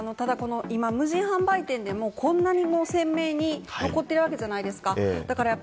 今、無人販売店でも、こんなに鮮明に残っているわけじゃないですか。